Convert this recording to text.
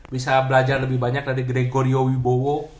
bisa belajar lebih banyak dari gregorio wibowo